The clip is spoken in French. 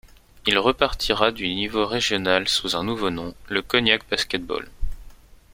Il repartira du niveau régional sous un nouveau nom, le Cognac Basket Ball.